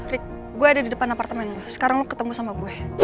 ric gue ada di depan apartemen sekarang lo ketemu sama gue